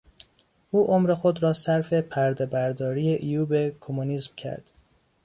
او عمر خود را صرف پردهبرداری عیوب کمونیسم کرد.